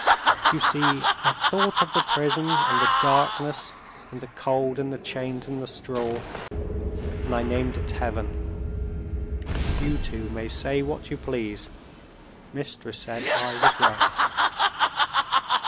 You see, I thought of the prison and the darkness and the cold and the chains and the straw and I named it Heaven. You two may say what you please; Mistress said I was right."